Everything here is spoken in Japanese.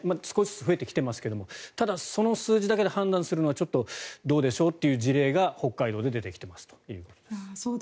少しずつ増えてきていますけどただ、その数字だけで判断するのはちょっとどうでしょうという事例が北海道で出てきています。